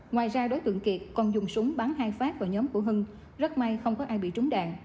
ngoài ra đối tượng kiệt còn dùng súng bắn hai phát vào nhóm của hưng rất may không có ai bị trúng đạn